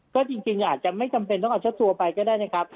ก็จริงอาจจะไม่จำเป็นต้องเอาเจ้าตัวไปก็ได้นะครับ